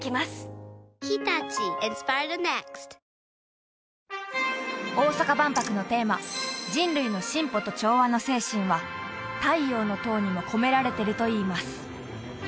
このあとは大阪万博のテーマ「人類の進歩と調和」の精神は太陽の塔にも込められてるといいます